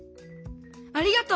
ありがとう！